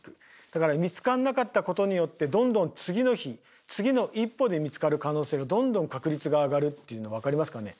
だから見つからなかったことによってどんどん次の日次の一歩で見つかる可能性がどんどん確率が上がるっていうの分かりますかね。